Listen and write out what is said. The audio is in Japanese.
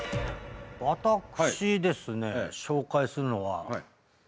私ですね紹介するのはお赤飯。